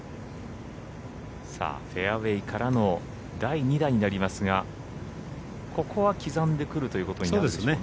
フェアウエーからの第２打になりますがここは刻んでくるということになるでしょうね。